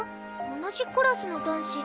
同じクラスの男子